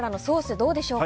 どうでしょうか？